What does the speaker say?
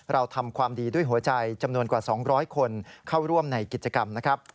เราทำความดีด้วยหัวใจจำนวนกว่า๒๐๐คนเข้าร่วมในกิจกรรมนะครับ